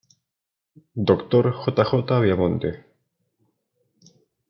J. J. Viamonte, Dr.